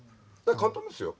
簡単ですよ。